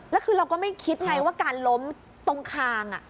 แล้วคือเราก็ไม่คิดไงว่าการล้มตรงคาง